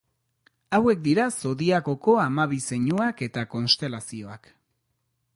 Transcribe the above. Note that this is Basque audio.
Hauek dira zodiakoko hamabi zeinuak eta konstelazioak.